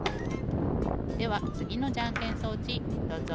ではつぎのじゃんけん装置どうぞ。